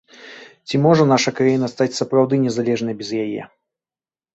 Ці можа наша краіна стаць сапраўды незалежнай без яе?